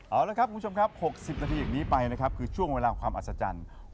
เอาละครับคุณผู้ชมครับ๖๐นาทีอย่างนี้ไปนะครับคือช่วงเวลาความอัศจรรย์